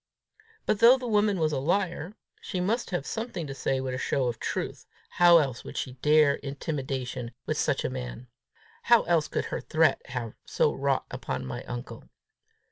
But, though the woman was a liar, she must have something to say with a show of truth! How else would she dare intimidation with such a man? How else could her threat have so wrought upon my uncle?